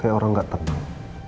kayak orang gak tenang